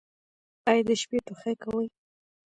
ایا د شپې ټوخی کوئ؟